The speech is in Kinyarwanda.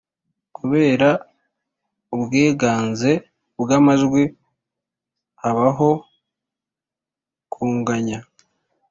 Kubera ubwiganze bw’amajwi habaho kunganya